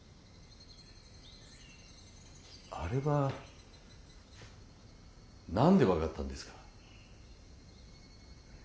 あれは何で分かったんですか？